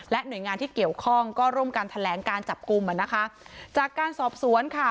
หน่วยงานที่เกี่ยวข้องก็ร่วมกันแถลงการจับกลุ่มอ่ะนะคะจากการสอบสวนค่ะ